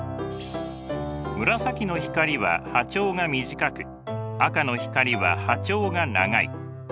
紫の光は波長が短く赤の光は波長が長い。